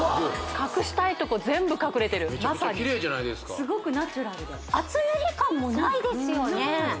隠したいとこ全部隠れてるまさにめちゃくちゃキレイじゃないですかすごくナチュラルで厚塗り感もないですよね